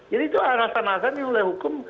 jadi itu alasan alasan yang oleh hukum